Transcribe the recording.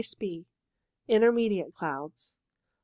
B. Intermediate clouds.